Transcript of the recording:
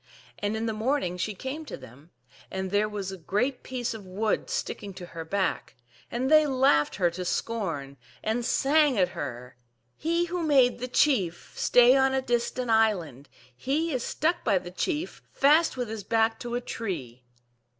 And in the morning she came to them,/ and there was a great piece of wood sticking to her back, and they laughed her to scorn, and sang at her, "He who made the chief Stay on a distant island, He is stuck by the chief Fast with his back to a tree."